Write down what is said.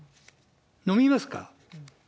飲みますか？